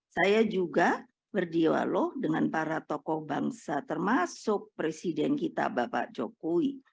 saya juga berdialog dengan para tokoh bangsa termasuk presiden kita bapak jokowi